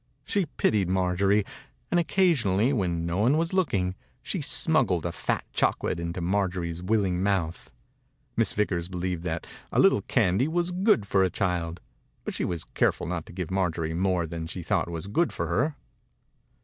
She pitied Marjorie, and occasionally, when no one was looking, she smuggled a fat chocolate into Marjorie's willing mouth. Miss Vickers believed that a little candy was good for a child, but she was careful not to give Marjorie more than she thought was good for her.